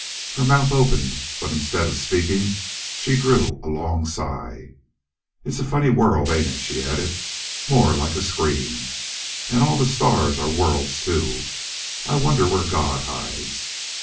Her mouth opened, but instead of speaking she drew a long sigh. "It's a funny world, ain't it?" she added. "More like a scream. And all the stars are worlds, too. I wonder where God hides.